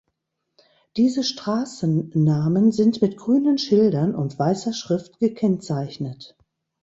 Diese „Straßennamen“ sind mit grünen Schildern und weißer Schrift gekennzeichnet.